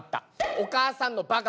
お母さんのバカ。